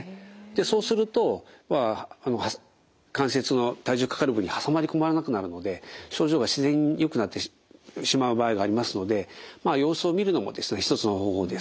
そうすると関節の体重がかかる部分に挟まり込まなくなるので症状が自然によくなってしまう場合がありますので様子を見るのもですね一つの方法です。